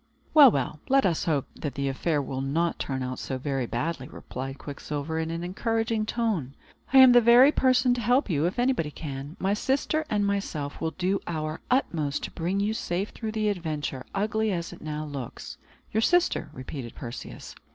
"Well, well, let us hope that the affair will not turn out so very badly," replied Quicksilver, in an encouraging tone. "I am the very person to help you, if anybody can. My sister and myself will do our utmost to bring you safe through the adventure, ugly as it now looks." "Your sister?" repeated Perseus.